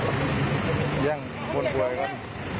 เยี่ยมมากครับ